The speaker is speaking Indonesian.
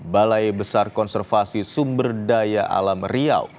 balai besar konservasi sumber daya alam riau